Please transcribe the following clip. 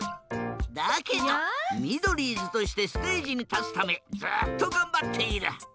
だけどミドリーズとしてステージにたつためずっとがんばっている。